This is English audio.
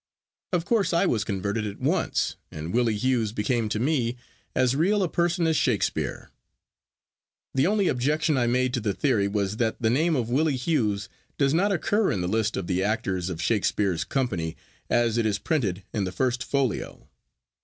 Of course I was converted at once, and Willie Hughes became to me as real a person as Shakespeare. The only objection I made to the theory was that the name of Willie Hughes does not occur in the list of the actors of Shakespeare's company as it is printed in the first folio.